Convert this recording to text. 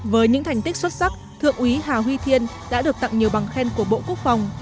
với những thành tích xuất sắc thượng úy hà huy thiên đã được tặng nhiều bằng khen của bộ quốc phòng